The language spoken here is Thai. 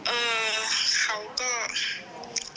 เอ่อเขาก็เลือกเย็นอยู่นะ